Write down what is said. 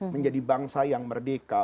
menjadi bangsa yang merdeka